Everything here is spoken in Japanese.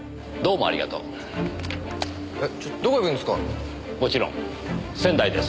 もちろん仙台です。